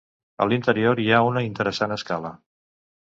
A l'interior hi ha una interessant escala.